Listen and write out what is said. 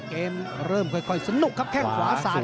เกมเริ่มค่อยสนุกครับแข้งขวาสาด